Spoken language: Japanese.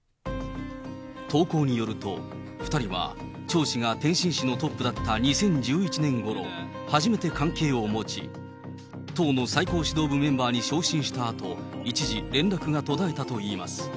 投稿によると、２人は張氏が天津市のトップだった２０１１年ごろ、初めて関係を持ち、党の最高指導部メンバーに昇進したあと、一時、連絡が途絶えたといいます。